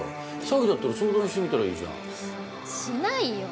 詐欺だったら相談してみたらいいじゃんしないよ